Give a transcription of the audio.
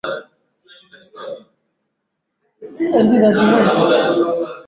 kusiaga chakula na kuathiri vibaya ujauzito yaani uwezo mdogo wa